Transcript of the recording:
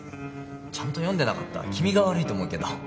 ちゃんと読んでなかった君が悪いと思うけど。